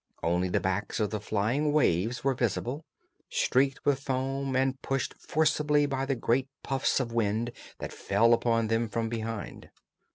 Only the backs of the flying waves were visible, streaked with foam, and pushed forcibly by the great puffs of wind that fell upon them from behind.